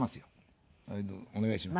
お願いします。